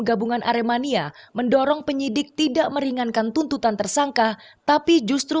gabungan aremania mendorong penyidik tidak meringankan tuntutan tersangka tapi justru